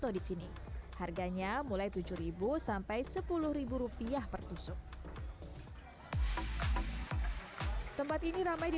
titik titiknya anime cinta citinya yang su pixel atra drm itu aja khususnya videonya ini prepiden